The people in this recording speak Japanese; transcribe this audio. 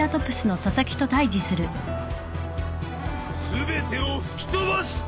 全てを吹き飛ばす！